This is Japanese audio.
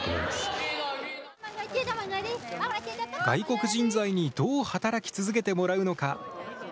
外国人材にどう働き続けてもらうのか。